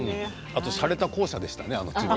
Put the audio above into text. あとしゃれた校舎でしたね。